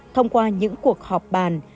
thông qua những cuộc họp bàn